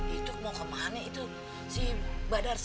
itu mau ke mana itu si badar cs